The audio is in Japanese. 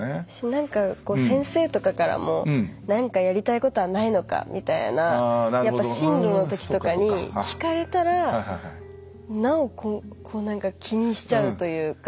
なんか先生とかからもなんか、やりたいことはないのかみたいな進路のときとかに聞かれたらなお気にしちゃうというか。